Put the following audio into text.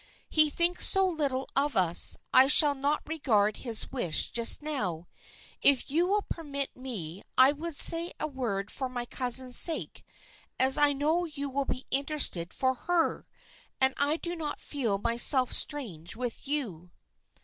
"He thinks so little of us I shall not regard his wish just now. If you will permit me I would say a word for my cousin's sake, as I know you will be interested for her, and I do not feel myself strange with you."